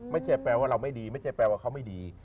ไม่ใช่แปลว่าเราไม่ดีไม่ใช่แปลว่าเขาไม่ดี